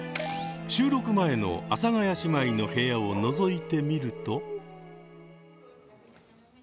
収録前の阿佐ヶ谷姉妹の部屋をのぞいてみると。